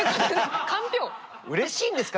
うれしいんですか？